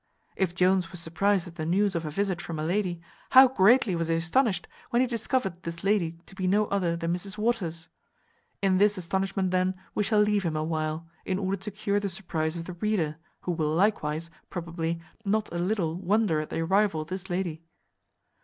If Jones was surprized at the news of a visit from a lady, how greatly was he astonished when he discovered this lady to be no other than Mrs Waters! In this astonishment then we shall leave him awhile, in order to cure the surprize of the reader, who will likewise, probably, not a little wonder at the arrival of this lady.